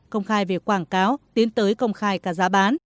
công khai về quảng cáo tiến tới công khai cả giá bán